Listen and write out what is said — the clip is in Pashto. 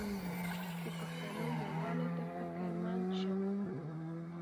د پښتنو یووالي ته فکرمند شم.